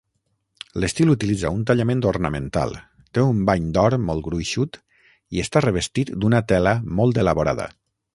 L'estil utilitza un tallament ornamental, té un bany d'or molt gruixut i està revestit d'una tela molt elaborada.